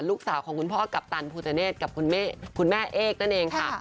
ลูกสาวของคุณพ่อกัปตันภูตเนธกับคุณแม่เอกนั่นเองค่ะ